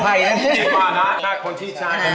โอ้มายก็อด